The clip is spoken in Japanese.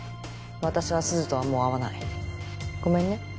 私はすずとはもう会わないごめんね